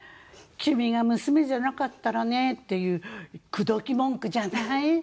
「君が娘じゃなかったらね」っていう口説き文句じゃない？